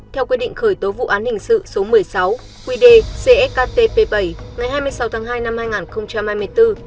theo quy định khởi tố vụ án hình sự số một mươi sáu quy đề csktp bảy ngày hai mươi sáu tháng hai năm hai nghìn hai mươi bốn